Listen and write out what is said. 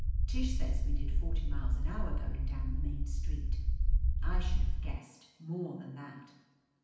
Tish says we did forty miles an hour going down the main street. I should have guessed more than that.